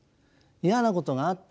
嫌なことがあった。